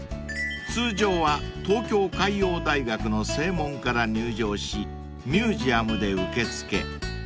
通常は東京海洋大学の正門から入場しミュージアムで受け付け］